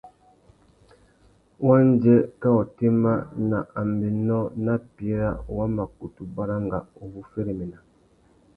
Wandjê, kā otémá, nà ambénô nà píra wa mà kutu baranga u wu féréména.